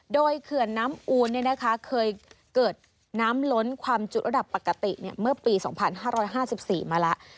โดยเขื่อนน้ำอูนเคยเกิดน้ำล้นความจุดระดับปกติเมื่อปี๒๕๕๔มาแล้ว